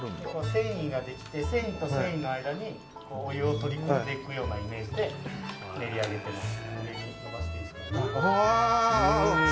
繊維ができて繊維と繊維の間にお湯を取り込んでいくイメージで練り上げてます。